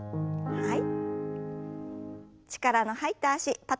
はい。